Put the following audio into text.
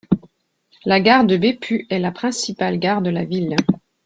La gare de Beppu est la principale gare de la ville.